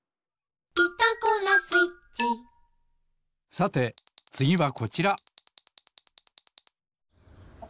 さてつぎはこちら！